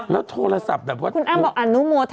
แล้วโทรศัพท์แต่ว่าอ้อมคุณอ้างบอกอนุโมธนาครับ